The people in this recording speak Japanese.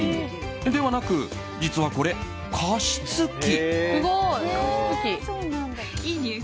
ではなく実はこれ、加湿器。